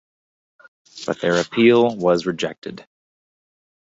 But their appeal was rejected.